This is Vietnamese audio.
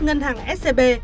ngân hàng scb